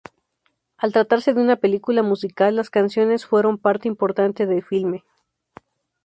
Al tratarse de una película musical las canciones fueron parte importante del filme.